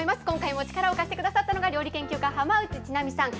今回も力を貸してくださったのが、料理研究家、浜内千波さん。